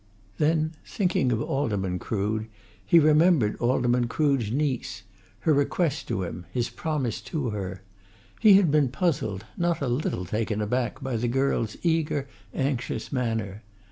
Then, thinking of Alderman Crood, he remembered Alderman Crood's niece; her request to him; his promise to her. He had been puzzled, not a little taken aback by the girl's eager, anxious manner.